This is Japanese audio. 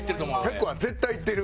１００は絶対いってる？